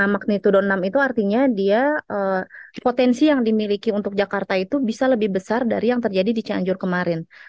magnitudo enam itu artinya dia potensi yang dimiliki untuk jakarta itu bisa lebih besar dari yang terjadi di cianjur kemarin